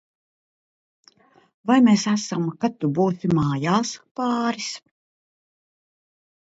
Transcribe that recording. "Vai mēs esam "kad tu būsi mājās" pāris?"